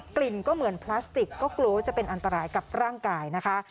กลิ่นก็เหมือนพลาสติกก็กลัวว่าจะเป็นอันตรายกับร่างกายนะคะ